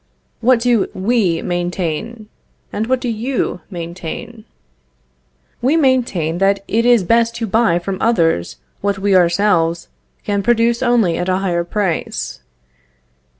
What do we maintain? and what do you maintain? We maintain that "it is best to buy from others what we ourselves can produce only at a higher price."